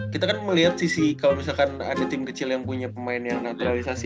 kita kan melihat sisi kalau misalkan ada tim kecil yang punya pemain yang naturalisasi